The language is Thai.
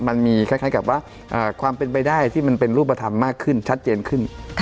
มันมีคล้ายกับว่าความเป็นไปได้ที่มันเป็นรูปธรรมมากขึ้นชัดเจนขึ้น